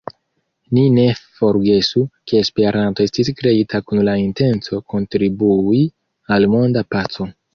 Ni ne forgesu, ke Esperanto estis kreita kun la intenco kontribui al monda paco.